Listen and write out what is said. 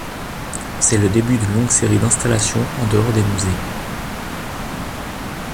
C’est le début d’une longue série d’installations en dehors des musées.